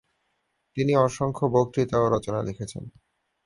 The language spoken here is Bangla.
তিনি অসংখ্য বক্তৃতা ও রচনা লিখেছেন।